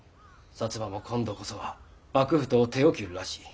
摩も今度こそは幕府と手を切るらしい。